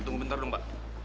tunggu bentar dulu pak